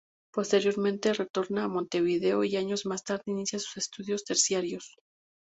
Posteriormente, retorna a Montevideo y años más tarde inicia sus estudios terciarios.